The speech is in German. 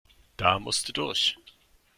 Da musste durch.